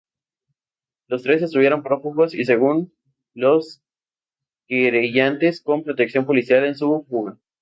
Los tres estuvieron prófugos y según los querellantes con protección policial en su fuga.